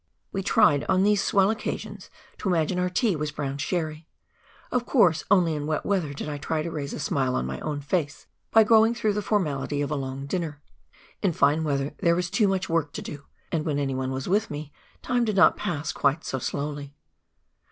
We tried, on tbese swell occasions, to imagine our tea was brown sherry ! Of course, only in wet weather did I try to raise a smile on my own face by going through the formality of a long dinner ; in fine weather there was too much work to do, and when anyone was with me, time did not pass quite so slowly.